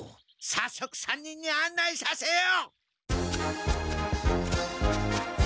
さっそく３人にあんないさせよ！